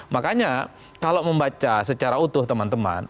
makanya kalau membaca secara utuh teman teman